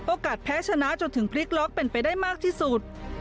แพ้ชนะจนถึงพลิกล็อกเป็นไปได้มากที่สุด